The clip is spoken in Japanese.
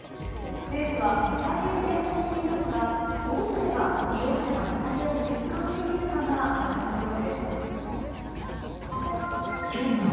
政府は値下げを検討していますがどうすれば利用者が値下げを実感できるかが課題のようです。